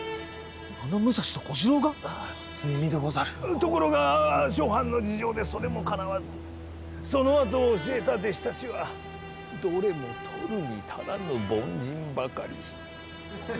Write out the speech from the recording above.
ところが諸般の事情でそれもかなわずそのあと教えた弟子たちはどれも取るに足らぬ凡人ばかり。